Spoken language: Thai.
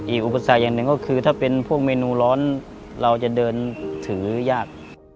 อุปสรรคอย่างหนึ่งก็คือถ้าเป็นพวกเมนูร้อนเราจะเดินถือยาก